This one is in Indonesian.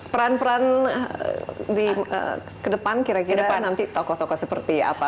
peran peran ke depan kira kira nanti tokoh tokoh seperti apa